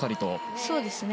そうですね。